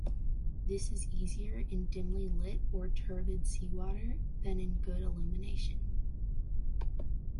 This is easier in dimly-lit or turbid seawater than in good illumination.